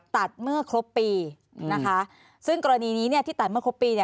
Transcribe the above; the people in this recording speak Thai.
ตัดเมื่อครบปีนะคะซึ่งกรณีนี้ที่ตัดเมื่อครบปี